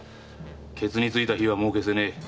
ケツについた火はもう消せねえ。